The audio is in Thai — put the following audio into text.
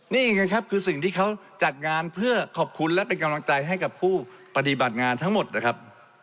นี่ไงครับคือสิ่งที่เขาจัดงานเพื่อขอบคุณและเป็นกำลังใจให้กับผู้ปฏิบัติงานทั้งหมดนะครับ